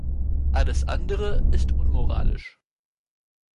Alles andere ist unmoralisch.